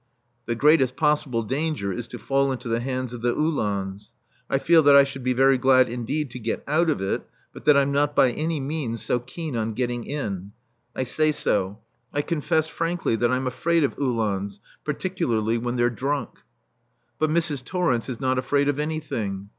The greatest possible danger is to fall into the hands of the Uhlans. I feel that I should be very glad indeed to get out of it, but that I'm not by any means so keen on getting in. I say so. I confess frankly that I'm afraid of Uhlans, particularly when they're drunk. But Mrs. Torrence is not afraid of anything.